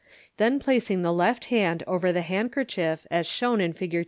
Then placing the left hand over the handkerchief, as shown in Fig.